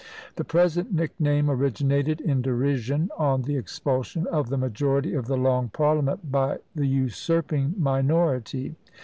The present nickname originated in derision on the expulsion of the majority of the Long Parliament by the usurping minority.